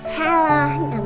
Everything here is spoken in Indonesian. pertemuan dari kondisi selamat